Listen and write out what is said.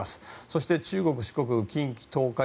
そして、中国・四国近畿・東海